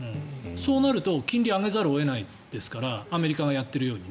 そうなると金利を上げざるを得ないですからアメリカがやっているように。